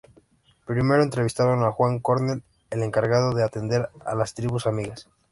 Primero entrevistaron a Juan Cornell, el encargado de atender a las tribus amigas.